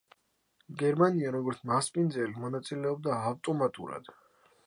გერმანია, როგორც მასპინძელი, მონაწილეობდა ავტომატურად.